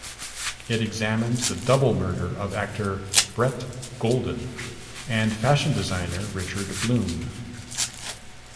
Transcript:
It examines the double murder of actor Brett Goldin and fashion designer Richard Bloom.